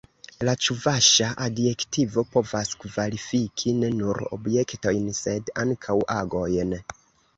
La ĉuvaŝa adjektivo povas kvalifiki ne nur objektojn sed ankaŭ agojn.